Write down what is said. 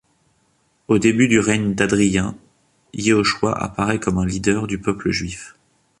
Au début du règne d'Hadrien, Yehoshua apparaît comme un leader du peuple juif.